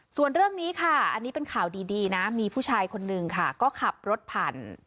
ส่วนเรื่องนี้ค่ะอันนี้เป็นข่าวดีนะมีผู้ชายคนนึงค่ะก็ขับรถผ่าน